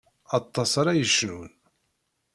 Aṭas ara yecnun.